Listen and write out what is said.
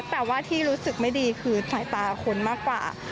แต่ว่าที่รู้สึกไม่ดีคือสายตาคนมากกว่า